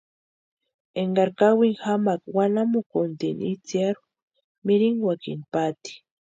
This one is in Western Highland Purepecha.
Énkari kawini jamaaka wanamukutini itsirhu mirinkwakini paati.